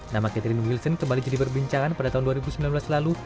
nama catherine wilson kembali jadi perbincangan pada tahun dua ribu sembilan belas lalu